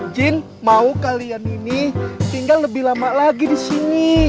jin mau kalian ini tinggal lebih lama lagi disini